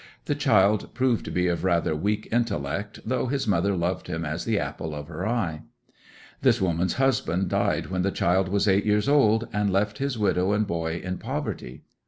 The child proved to be of rather weak intellect, though his mother loved him as the apple of her eye. 'This woman's husband died when the child was eight years old, and left his widow and boy in poverty.